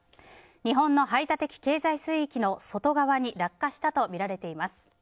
日本の排他的経済水域の外側に落下したとみられています。